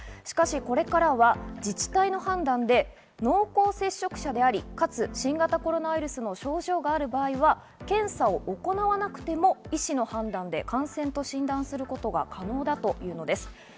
しかし、これからは自治体の判断で濃厚接触者であり、かつ新型コロナウイルスの症状がある場合は検査を行わなくても、医師の判断で感染と診断することが可能だというのです。